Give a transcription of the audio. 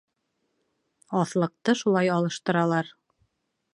Аҫлыҡты шулай алыштыралар: